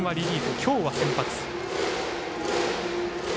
今日は先発。